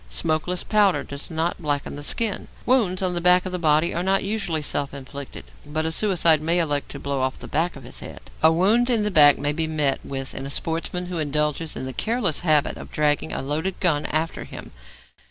Smokeless powder does not blacken the skin. Wounds on the back of the body are not usually self inflicted, but a suicide may elect to blow off the back of his head. A wound in the back may be met with in a sportsman who indulges in the careless habit of dragging a loaded gun after him.